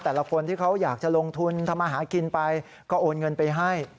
แต่ละคนที่เขาอยากจะลงทุนทำอาหารกินไปก็โอนเงินไปให้